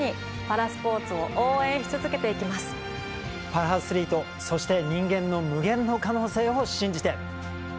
パラアスリートそして人間の無限の可能性を信じて。